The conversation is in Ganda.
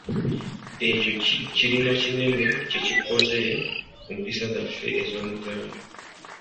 Ekyo kirina kinene kye kukoze mu mpisa zaffe ez’Omuganda.